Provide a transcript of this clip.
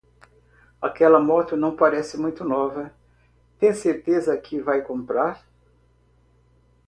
Aquela moto não parece muito nova. Tem certeza que vai comprar?